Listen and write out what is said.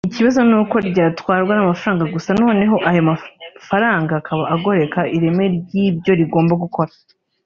Ikibazo ni uko ryatwarwa n’amafaranga gusa noneho ayo mafaranga akaba yagoreka ireme ry’ibyo rigomba gukora